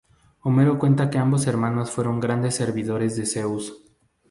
Homero cuenta que ambos hermanos fueron grandes servidores de Zeus.